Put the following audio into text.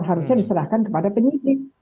harusnya diserahkan kepada penyidik